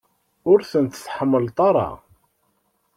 Ur tent-tḥemmleḍ ara?